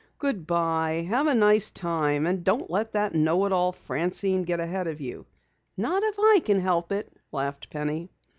"Good bye. Have a nice time. And don't let that know it all Francine get ahead of you!" "Not if I can help it," laughed Penny.